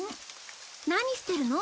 何してるの？